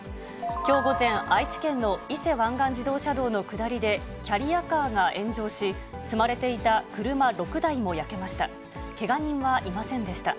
きょう午前、愛知県の伊勢湾岸自動車道の下りで、キャリアカーが炎上し、積まれていた車６台も焼けました。